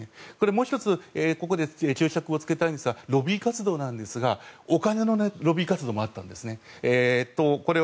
もう１つ、ここで注釈をつけたいんですがお金のロビー活動もあったんですね。